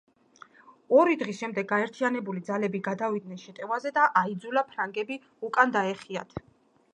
ორი დღის შემდეგ გაერთიანებული ძალები გადავიდნენ შეტევაზე და აიძულა ფრანგები უკან დაეხიათ.